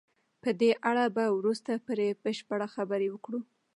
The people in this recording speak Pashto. په دې اړه به وروسته پرې بشپړې خبرې وکړو.